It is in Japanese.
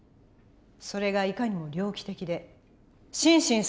それがいかにも猟奇的で心神